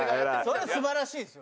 それは素晴らしいですよ。